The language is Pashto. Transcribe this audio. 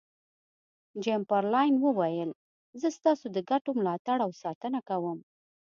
چمبرلاین وویل زه ستاسو د ګټو ملاتړ او ساتنه کوم.